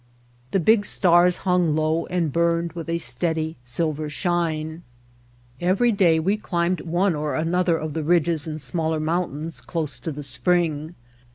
The big stars hung low and burned with a steady, silver shine. Every day we climbed one or another of the ridges and smaller mountains close to the spring.